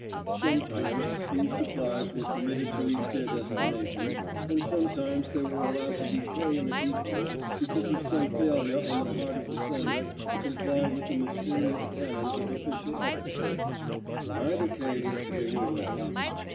Sometimes these supplies were permitted to reach their destination, and sometimes they were allowed to decay in a depot because of some failure on the part of the sender to comply with the mysterious canons of official etiquette. In either case they were wasted.